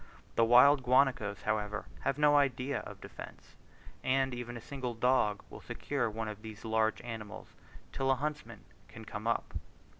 The wild guanacos, however, have no idea of defence; even a single dog will secure one of these large animals, till the huntsman can come up.